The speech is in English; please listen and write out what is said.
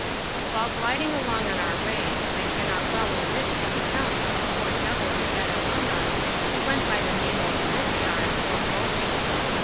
While gliding along on our way, I cannot well omit some account of a poor devil we had among us, who went by the name of Rope Yarn, or Ropey.